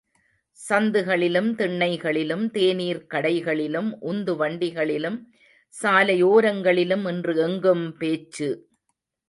சந்துகளிலும், திண்ணைகளிலும் தேநீர் கடைகளிலும் உந்து வண்டிகளிலும் சாலை ஓரங்களிலும் இன்று எங்கும் பேச்சு!